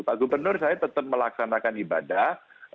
pak gubernur saya tetap melaksanakan ibadah